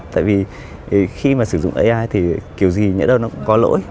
tại vì khi mà sử dụng ai thì kiểu gì nhớ đâu nó cũng có lỗi